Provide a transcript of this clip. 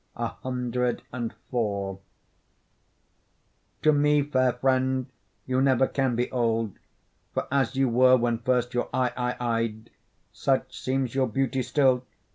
CIV To me, fair friend, you never can be old, For as you were when first your eye I ey'd, Such seems your beauty still.